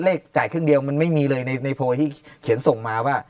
จ่ายครึ่งเดียวมันไม่มีเลยในโพยที่เขียนส่งมาว่า